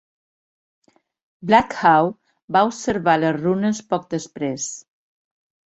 Black Hawk va observar les runes poc després.